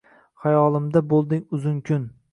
Xayolimda bo’lding uzun kun